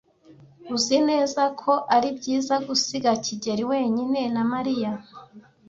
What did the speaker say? Uzi neza ko ari byiza gusiga kigeli wenyine na Mariya?